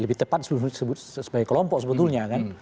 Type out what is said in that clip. lebih tepat sebagai kelompok sebetulnya kan